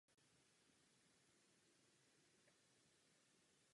Tento kód má stále dvě reprezentace čísla nula.